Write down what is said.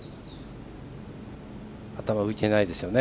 頭、浮いてないですね。